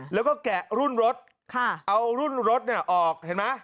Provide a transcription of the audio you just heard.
แล้วก็แกะรุ่นรถเอารุ่นรถเนี่ยออกเห็นไหม